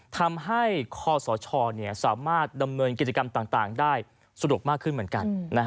คอสชสามารถดำเนินกิจกรรมต่างได้สะดวกมากขึ้นเหมือนกัน